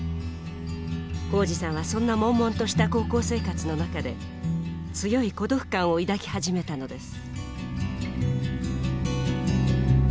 宏司さんはそんな悶々とした高校生活の中で強い孤独感を抱き始めたのです。